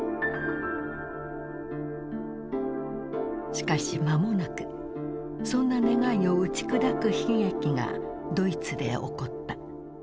しかし間もなくそんな願いを打ち砕く悲劇がドイツで起こった。